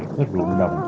cái ruộng đồng